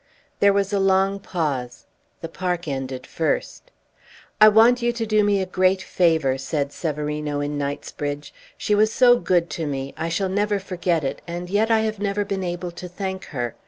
There was a long pause. The park ended first. "I want you to do me a great favor," said Severino in Knightsbridge. "She was so good to me! I shall never forget it, and yet I have never been able to thank her.